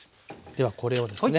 ではこれをですね